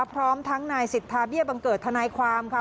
พร้อมทั้งนายสิทธาเบี้ยบังเกิดทนายความค่ะ